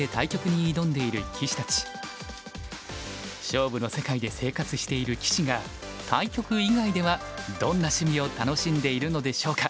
勝負の世界で生活している棋士が対局以外ではどんな趣味を楽しんでいるのでしょうか。